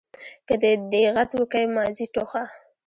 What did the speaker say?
که دي دېغت وکئ ماضي ټوخه.